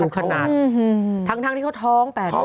มันขนาดทั้งที่เขาท้อง๘เดือน